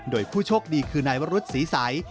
โดยผู้โชคดีคือนายวรุษศรีใส